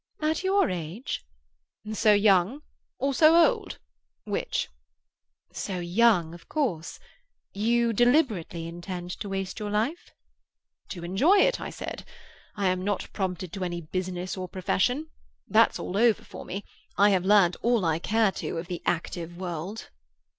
"At your age?" "So young? Or so old? Which?" "So young, of course. You deliberately intend to waste your life?" "To enjoy it, I said. I am not prompted to any business or profession; that's all over for me; I have learnt all I care to of the active world."